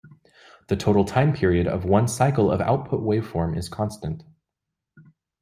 The total time period of one cycle of output waveform is constant.